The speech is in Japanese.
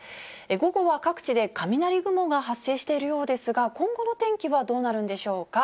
午後は各地で雷雲が発生しているようですが、今後の天気はどうなるんでしょうか。